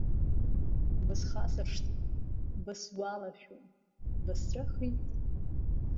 Бысхасрышҭит, бысгәалашәом, бысҵәахит…